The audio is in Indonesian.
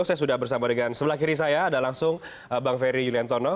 saya sudah bersama dengan sebelah kiri saya ada langsung bang ferry yuliantono